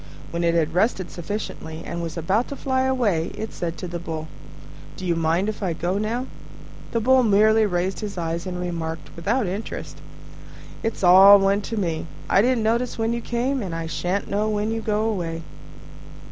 When it had rested sufficiently and was about to fly away, it said to the Bull, "Do you mind if I go now?" The Bull merely raised his eyes and remarked, without interest, "It's all one to me; I didn't notice when you came, and I shan't know when you go away."